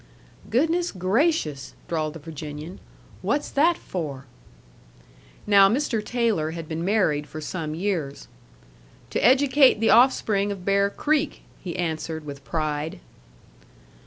"Goodness gracious!" drawled the Virginian. "What's that for?" Now Mr. Taylor had been married for some years. "To educate the offspring of Bear Creek," he answered with pride.